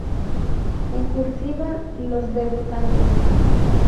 En "cursiva" los debutantes.